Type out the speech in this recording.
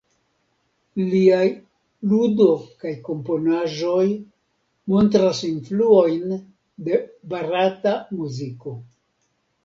Liaj ludo kaj komponaĵoj montras influojn de barata muziko.